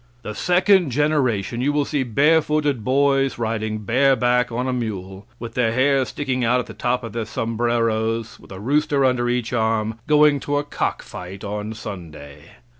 The second generation, you will see barefooted boys riding bareback on a mule, with their hair sticking out of the top of their sombreros, with a rooster under each arm, going to a cock fight on Sunday."